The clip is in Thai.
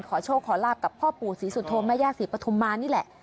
ขอโชคขอลาบกับพ่อปู่ศรีสุโธแม่ย่าศรีปฐุมมานี่แหละ